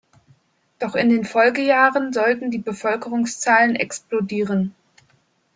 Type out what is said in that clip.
Doch in den Folgejahren sollten die Bevölkerungszahlen explodieren.